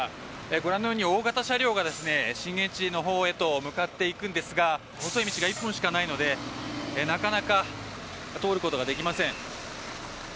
ご覧のように大型車両が震源地のほうへと向かっていくんですが細い道が１本しかないのでなかなか通ることができません。